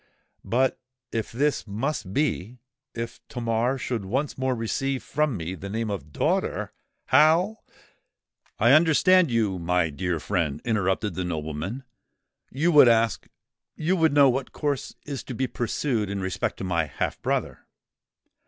But if this must be—if Tamar should once more receive from me the name of DAUGHTER—how——" "I understand you, my dear friend," interrupted the nobleman: "you would ask—you would know what course is to be pursued in respect to my half brother."